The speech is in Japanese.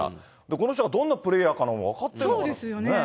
この人がどんなプレーヤーなのかも分かってないですよね。